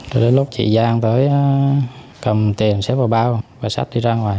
rồi đến lúc chị giang tới cầm tiền xếp vào bao và xách đi ra ngoài